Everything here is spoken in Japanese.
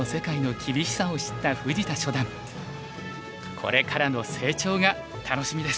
これからの成長が楽しみです。